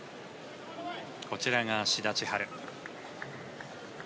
こちらが志田千陽。